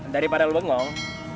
daripada lo bengong